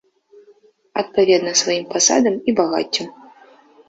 Адпаведна сваім пасадам і багаццю.